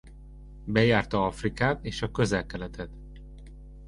Bejárta Afrikát és a Közel-Keletet.